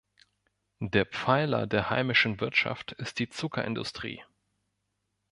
Der Pfeiler der heimischen Wirtschaft ist die Zuckerindustrie.